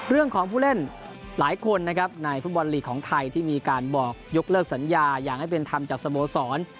ผู้เล่นหลายคนนะครับในฟุตบอลลีกของไทยที่มีการบอกยกเลิกสัญญาอย่างให้เป็นธรรมจากสโมสร